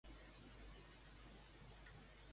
Què li ha preguntat Cunillera a aquesta institució?